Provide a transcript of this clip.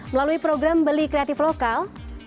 melalui program beli kreatif lokal